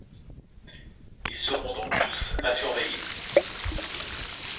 Ils seront donc tous à surveiller.